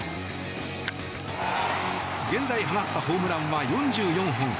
現在放ったホームランは４４本。